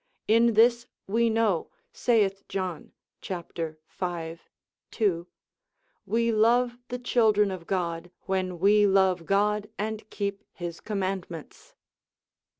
In this we know, saith John, c. v. 2, we love the children of God, when we love God and keep his commandments.